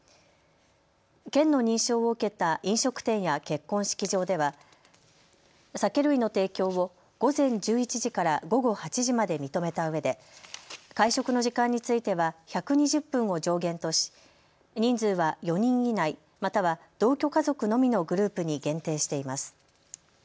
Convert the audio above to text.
県の認証を受けた飲食店や結婚式場では酒類の提供を午前１１時から午後８時まで認めたうえで会食の時間については１２０分を上限とし人数は４人以内、または同居家族のみのグループに限定しています。